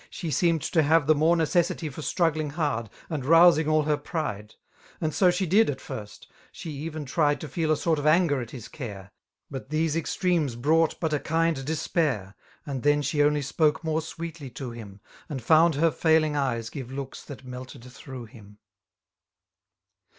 She seemed to have liie more necessity For struiggUng hard, and rovsijig aU her pridcj And so jshe did at first: she even tried Tofedasort of angevathiscare; ^^ But these extreaie? brought b^ a Hind iiftg^p^ ,.. A 63 And then she only spoke more sweetly to hiniy And found her foiling eyes give looks that melted through him.